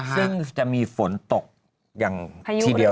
ซึ่งจะมีฝนตกอย่างทีเดียว